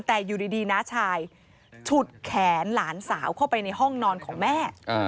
แต่อยู่ดีน้าชายฉุดแขนหลานสาวเข้าไปในห้องนอนของแม่